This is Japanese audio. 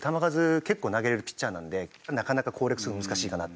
結構投げれるピッチャーなのでなかなか攻略するのは難しいかなって。